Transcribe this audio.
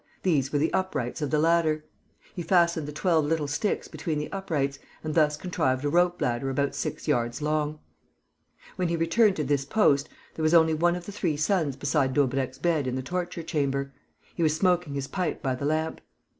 These were the uprights of the ladder. He fastened the twelve little sticks between the uprights and thus contrived a rope ladder about six yards long. When he returned to this post, there was only one of the three sons beside Daubrecq's bed in the torture chamber. He was smoking his pipe by the lamp.